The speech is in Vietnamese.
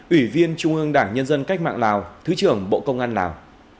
ủy viên trung ương đảng nhân dân cách mạng lào thứ trưởng bộ công an lào